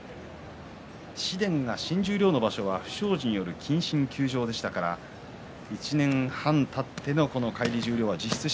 紫雷が新十両の場所は不祥事による謹慎でしたから１年半たっての返り十両。